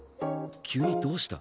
急にどうした？